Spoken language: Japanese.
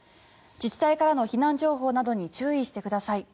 自治体からの避難情報などに注意してください。